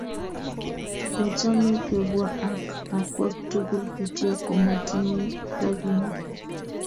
kochome kebwaa ak akwek tugul, kityo komotinye robinik